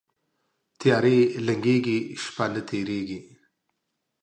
تیارې لنګیږي، شپه نه تیریږي